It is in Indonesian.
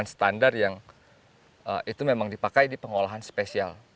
standar yang itu memang dipakai di pengolahan spesial